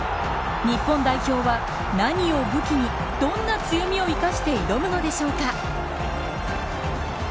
日本代表は、何を武器にどんな強みを生かして挑むのでしょうか。